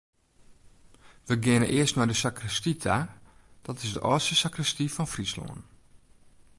We geane earst nei de sakristy ta, dat is de âldste sakristy fan Fryslân.